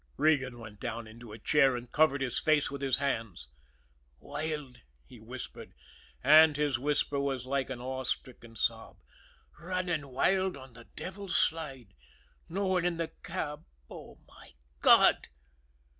Regan went down into a chair, and covered his face with his hands. "Wild," he whispered, and his whisper was like an awe stricken sob. "Running wild on the Devil's Slide. No one in the cab. Oh, my God!"